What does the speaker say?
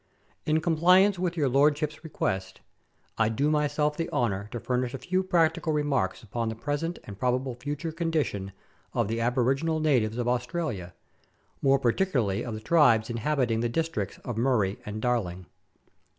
In compliance with your lordship's request, I do myself the honour to furnish a few practical remarks upon the present and probable future condition of the aboriginal natives of Australia, more particularly of the tribes inhabiting the districts of the Murray and Darling.